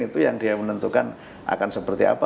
itu yang dia menentukan akan seperti apa